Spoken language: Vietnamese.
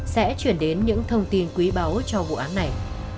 sẽ chuyển đến những thông tin quý báu cho vụ án này